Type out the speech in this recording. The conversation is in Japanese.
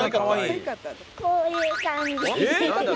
こういう感じ。